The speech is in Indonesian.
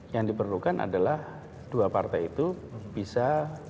yang diperlukan adalah dua partai itu bisa